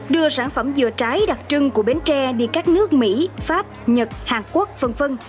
đưa sản phẩm dừa trái đặc trưng của bến tre đi các nước mỹ pháp nhật hàn quốc v v